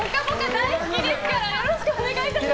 大好きですからよろしくお願いします。